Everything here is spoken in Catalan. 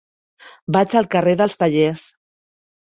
Vaig al carrer dels Tallers.